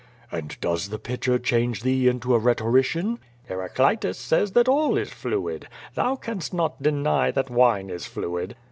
"And does the pitcher change thee into a rhetorician?" ^^eraclitus says that all is fluid. Thou canst not deny that wine is fluid."